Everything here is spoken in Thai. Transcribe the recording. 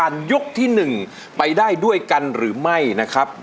ลองให้ลองให้ลองให้